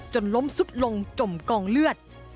จนล้มสุดลงจมกองเลือด